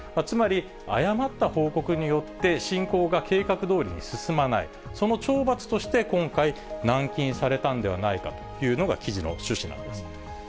つまり、誤った報告によって、侵攻が計画通りに進まない、その懲罰として今回、軟禁されたんではないかというのが、記事の趣旨なんです。